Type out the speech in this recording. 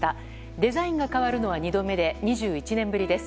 デザインが変わるのは２度目で２１年ぶりです。